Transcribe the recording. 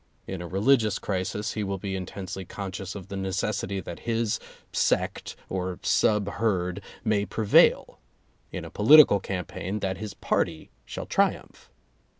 In a religious crisis he will be intensely conscious of the necessity that his sect (or sub herd) may prevail; in a political campaign, that his party shall triumph.